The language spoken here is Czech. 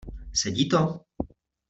Sedí to?